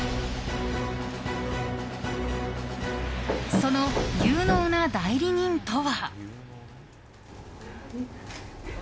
その有能な代理人とは。